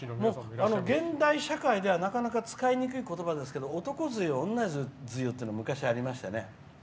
現代社会ではなかなか使いにくいことばですけど男梅雨とか女梅雨っていうのありましたよね。